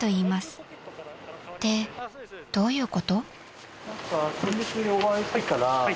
［ってどういうこと？］